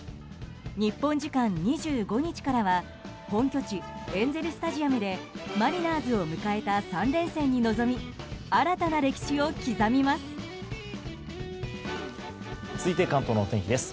日本時間２５日からは本拠地エンゼル・スタジアムでマリナーズを迎えた３連戦に臨み新たな歴史を刻みます。